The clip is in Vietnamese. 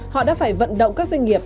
họ đã phải vận động các doanh nghiệp